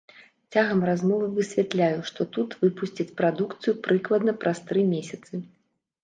Цягам размовы высвятляю, што тут выпусцяць прадукцыю прыкладна праз тры месяцы.